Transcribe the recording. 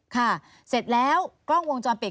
เสร็จแล้วกล้องวงจรปิด